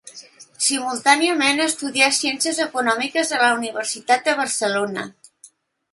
Simultàniament estudià ciències econòmiques a la Universitat de Barcelona.